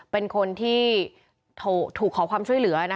เป็นคนที่ถูกขอความช่วยเหลือ